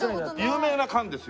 有名な缶ですよ。